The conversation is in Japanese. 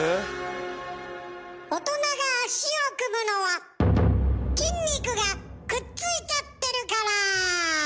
大人が足を組むのは筋肉がくっついちゃってるから。